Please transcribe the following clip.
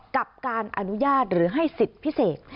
กับการอนุญาตหรือให้สิทธิ์พิเศษ